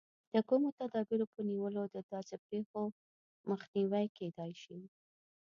د کومو تدابیرو په نیولو د داسې پېښو مخنیوی کېدای شي.